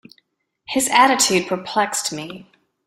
His attitude perplexed me.